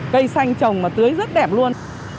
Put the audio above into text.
cây xanh trồng mà tưới rất đẹp luôn